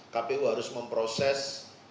kpu harus memproses